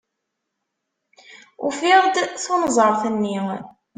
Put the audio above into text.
Ufiɣ-d tunẓart-nni.